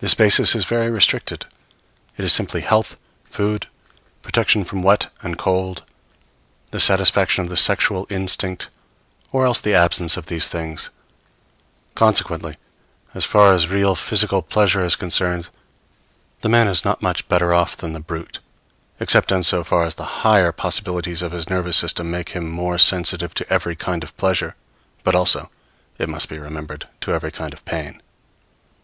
This basis is very restricted: it is simply health, food, protection from wet and cold, the satisfaction of the sexual instinct; or else the absence of these things. Consequently, as far as real physical pleasure is concerned, the man is not better off than the brute, except in so far as the higher possibilities of his nervous system make him more sensitive to every kind of pleasure, but also, it must be remembered, to every kind of pain.